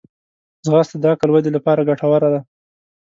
ځغاسته د عقل ودې لپاره ګټوره ده